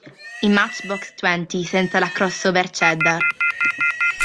I Matchbox Twenty senza la "cross over-cheddar".